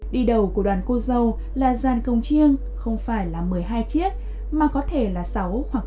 đi đầu của đoàn cô dâu là dàn còng chiêng không phải là một mươi hai chiếc mà có thể là sáu hoặc tám